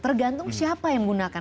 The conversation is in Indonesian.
tergantung siapa yang menggunakan